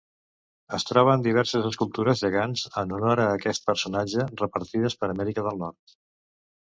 Es troben diverses escultures gegants en honor a aquest personatge repartides per Amèrica del Nord.